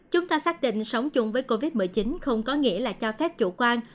chúng ta xác định sống chung với covid một mươi chín không có nghĩa là cho phép chủ quan